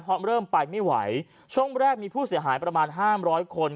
เพราะเริ่มไปไม่ไหวช่วงแรกมีผู้เสียหายประมาณห้ามร้อยคน